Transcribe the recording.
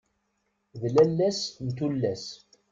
D lalla-s n tullas!